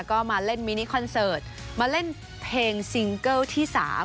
ก็มาเล่นมินิคอนเสิร์ตมาเล่นเพลงซิงเกิลที่๓